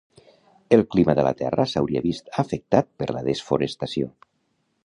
El clima de la Terra s'hauria vist afectat per la desforestació.